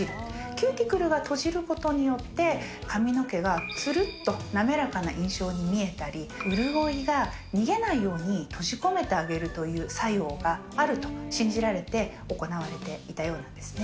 キューティクルが閉じることによって、髪の毛がつるっとなめらかな印象に見えたり、潤いが逃げないように閉じ込めてあげるという作用があると信じられて、行われていたようなんですね。